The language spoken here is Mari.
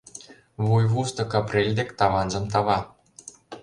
Вуйвустык апрель дек таванжым тава.